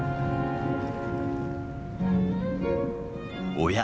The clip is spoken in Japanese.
おや？